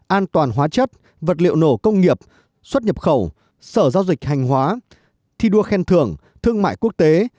an toàn hóa chất vật liệu nổ công nghiệp xuất nhập khẩu sở giao dịch hành hóa thi đua khen thưởng thương mại quốc tế